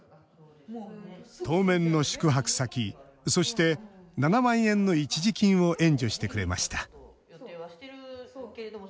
当面の宿泊先そして、７万円の一時金を援助してくれました。